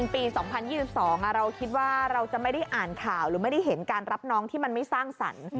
ปี๒๐๒๒เราคิดว่าเราจะไม่ได้อ่านข่าวหรือไม่ได้เห็นการรับน้องที่มันไม่สร้างสรรค์